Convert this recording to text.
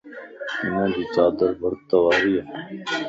ھنجي چادر برت واريَ